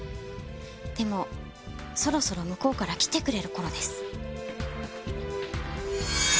でもそろそろ向こうから来てくれる頃です。